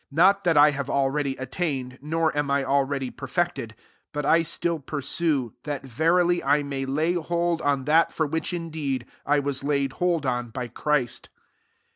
12 Not that I have already attained, nor am I already per fected : but I atill pursue, that verily I may lay hold on that for which indeed I was laid hold on by Christ.